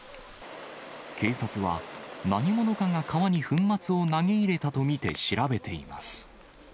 警察は、何者かが川に粉末を投げ入れたと見て調べています。